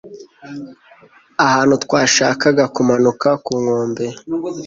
Ahantu twashakaga kumanuka ku nkombe